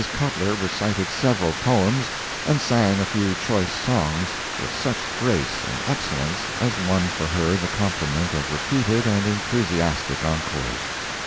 Cutler recited several poems, and sang a few choice songs with such grace and excellence as won for her the compliment of repeated and enthusiastic encores.